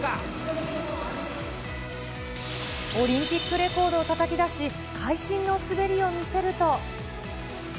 オリンピックレコードをたたき出し、会心の滑りを見せると。